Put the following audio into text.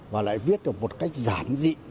và lại viết được một cách giản dị